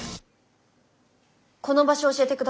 この場所教えて下さい。